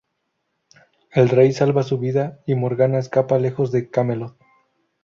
El rey salva su vida y Morgana escapa lejos de Camelot.